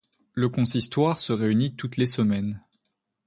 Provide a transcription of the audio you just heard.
Le consistoire se réunit toutes les semaines.